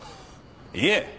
いえ。